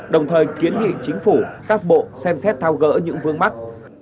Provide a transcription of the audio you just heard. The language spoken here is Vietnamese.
đồng thời kiến nghị chính phủ các bộ xem xét thao gỡ những vương mắc